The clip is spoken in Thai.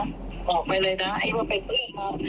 บอกไปเลยนะไอ้ว่าเป็นเพื่อนเขา